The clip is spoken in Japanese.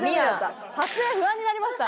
撮影不安になりました。